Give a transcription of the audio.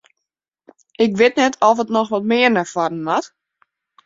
Ik wit net oft it noch wat mear nei foaren moat?